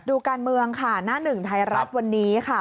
ดูการเมืองค่ะหน้าหนึ่งไทยรัฐวันนี้ค่ะ